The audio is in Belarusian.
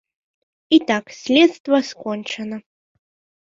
І так, следства скончана.